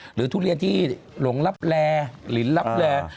หรือทุเรียนที่หลวงลับลแรหรือลิ้นลับแร